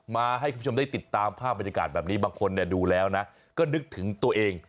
มาให้คุณผู้ชมได้ติดตามภาพบรรยากาศแบบนี้บางคนดูแล้วนะก็นึกถึงตัวเอง